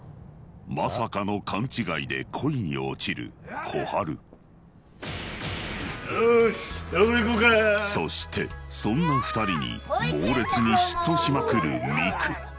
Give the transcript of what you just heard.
まさかの勘違いで恋に落ちる虎春よしどこ行こうかそしてそんな２人に猛烈に嫉妬しまくる美久